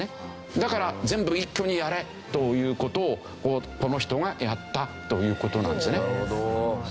だから全部一挙にやれという事をこの人がやったという事なんですよね。